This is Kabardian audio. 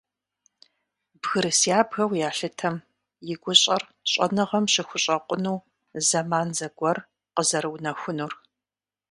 Бгырыс ябгэу ялъытэм и гущӏэр щӏэныгъэм щыхущӏэкъуну зэман зэгуэр къызэрыунэхунур.